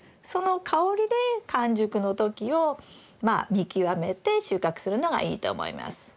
その香りで完熟の時をまあ見極めて収穫するのがいいと思います。